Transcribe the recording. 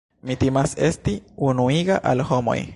Mi timas esti enuiga al homoj.